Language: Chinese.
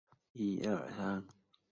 韦南人口变化图示